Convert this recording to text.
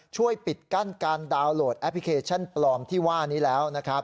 ปิดกั้นการดาวน์โหลดแอปพลิเคชันปลอมที่ว่านี้แล้วนะครับ